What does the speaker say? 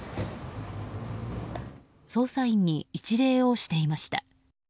捜査員に一礼をしていました。